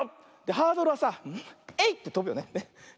ハードルはさ「えいっ！」ってとぶよね。